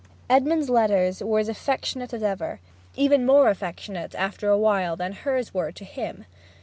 Edmond's letters were as affectionate as ever; even more affectionate, after a while, than hers were to him.